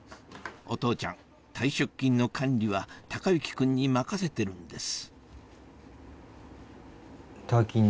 お父ちゃん退職金の管理は孝之君に任せてるんです